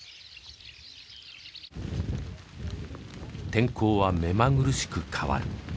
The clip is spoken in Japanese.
天候は目まぐるしく変わる。